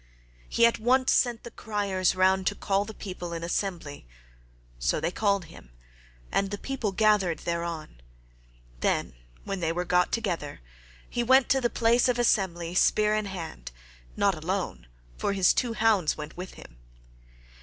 He at once sent the criers round to call the people in assembly, so they called them and the people gathered thereon; then, when they were got together, he went to the place of assembly spear in hand—not alone, for his two hounds went with him.